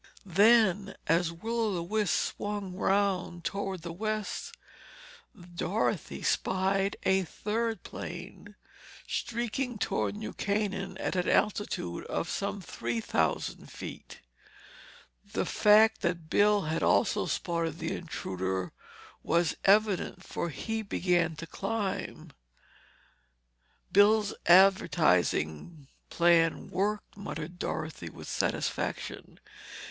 Then as Will o' the Wisp swung round toward the west, Dorothy spied a third plane, streaking toward New Canaan at an altitude of some three thousand feet. The fact that Bill had also spotted the intruder was evident, for he began to climb. "Bill's advertising plan worked," muttered Dorothy with satisfaction.